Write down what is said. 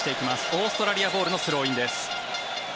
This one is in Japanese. オーストラリアボールのスローインです。